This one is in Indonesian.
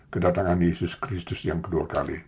kedatangan yesus kristus yang kedua kali